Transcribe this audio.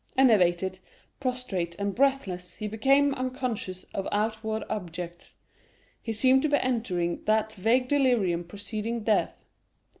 Enervated, prostrate, and breathless, he became unconscious of outward objects; he seemed to be entering that vague delirium preceding death.